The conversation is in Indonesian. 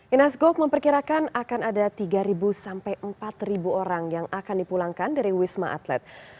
inas gok memperkirakan akan ada tiga sampai empat orang yang akan dipulangkan dari wisma atlet